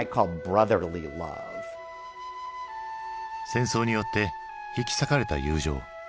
戦争によって引き裂かれた友情。